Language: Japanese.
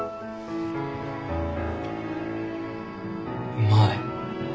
うまい。